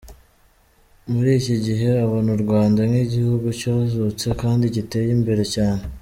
Muri iki gihe abona u Rwanda nk’ihugu cyazutse kandi giteye imbere cyane.